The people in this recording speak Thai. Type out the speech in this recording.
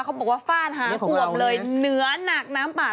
เขาบอกว่าฟ้านหากวงเลยเนื้อหนักน้ำปาทลักษณ์